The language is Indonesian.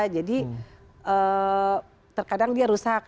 jadi terkadang dia rusak